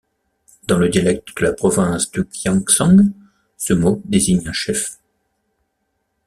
Dans le dialecte de la province du Gyeongsang, ce mot désigne un chef.